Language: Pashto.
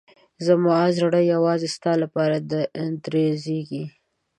زما زړه یوازې ستا لپاره درزېږي.